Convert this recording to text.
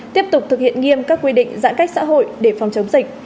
tiếp tục thực hiện nghiêm các quy định giãn cách xã hội để phòng chống dịch